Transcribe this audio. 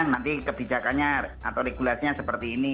nanti kebijakannya atau regulasinya seperti ini